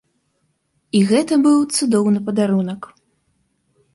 І гэта быў цудоўны падарунак.